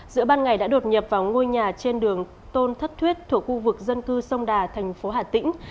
giữa ban ngày đã đột nhập vào ngôi nhà trên đường tôn thất thuyết thuộc khu vực dân cư sông đà thành phố hà tĩnh